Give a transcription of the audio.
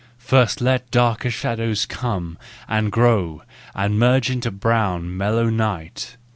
First let darker shadows come, And grow, and merge into brown, mellow night!